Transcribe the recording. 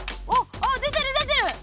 あでてるでてる！